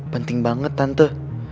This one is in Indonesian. penting banget tante